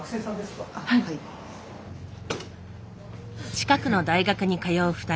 近くの大学に通う２人。